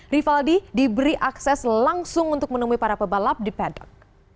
rivaldi diberi akses langsung untuk menemui para pebalap di pedok